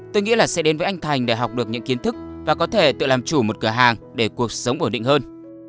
tôi nghĩ là sẽ đến với anh thành để học được những kiến thức và có thể tự làm chủ một cửa hàng để cuộc sống ổn định hơn